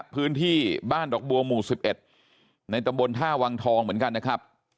พื้นที่บ้านดอกบัวหมู่๑๑ในตำบลท่าวังทองเหมือนกันนะครับ